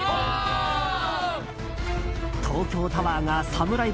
東京タワーがサムライ